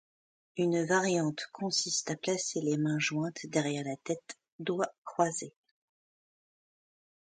Une variante consiste à placer les mains jointes derrière la tête, doigts croisés.